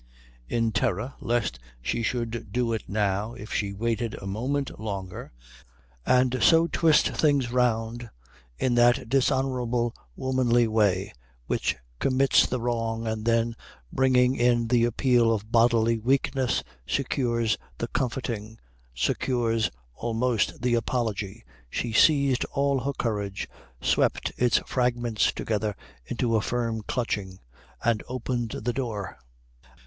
In terror lest she should do it now if she waited a moment longer, and so twist things round in that dishonourable womanly way which commits the wrong and then bringing in the appeal of bodily weakness secures the comforting, secures, almost, the apology, she seized all her courage, swept its fragments together into a firm clutching, and opened the door.